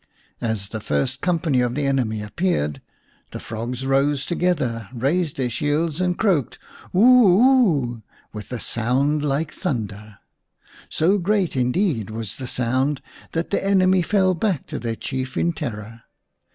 As the first company of the enemy appeared 26 ii And the Magic Song the frogs rose together, raised their shields, and croaked " Woo ooh," with a sound like thunder ; so great, indeed, was the sound that the enemy fell back to their Chief in terror.